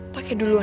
pakai dulu nanti